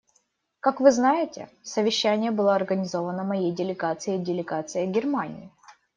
Как вы знаете, совещание было организовано моей делегацией и делегацией Германии.